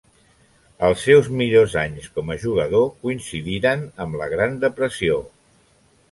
Els seus millors anys com a jugador coincidiren amb la Gran Depressió.